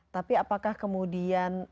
tapi apakah kemudian